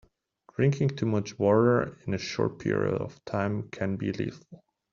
Drinking too much water in a short period of time can be lethal.